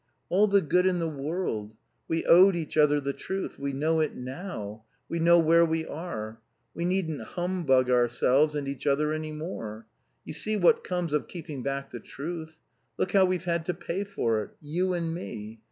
"All the good in the world. We owed each other the truth. We know it now; we know where we are. We needn't humbug ourselves and each other any more. You see what comes of keeping back the truth. Look how we've had to pay for it. You and me.